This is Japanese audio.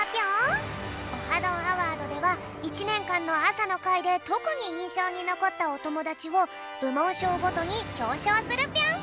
どんアワード」では１ねんかんのあさのかいでとくにいんしょうにのこったおともだちをぶもんしょうごとにひょうしょうするぴょん。